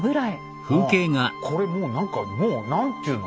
これもう何かもう何ていうの？